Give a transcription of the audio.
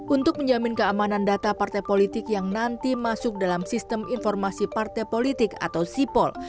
untuk menjamin keamanan data partai politik yang nanti masuk dalam sistem informasi partai politik atau sipol